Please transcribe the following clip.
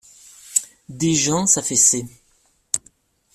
Des gens s'affaissaient.